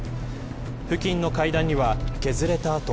付近の階段には削れた跡。